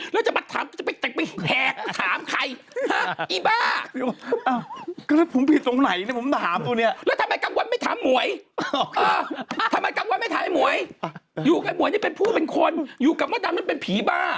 อยู่กับเหมือนเป็นผู้เป็นคนอยู่กับมดำนั้นเป็นผีบ้า